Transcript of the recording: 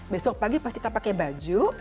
besok pagi pas kita pakai baju